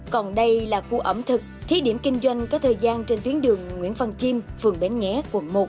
còn đây là khu ẩm thực thí điểm kinh doanh có thời gian trên tuyến đường nguyễn văn chim phường bến nghé quận một